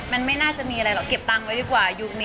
มันไม่น่าจะมีอะไรหรอกเก็บตังค์ไว้ดีกว่ายุคนี้